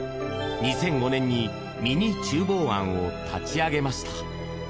２００５年にミニ厨房庵を立ち上げました。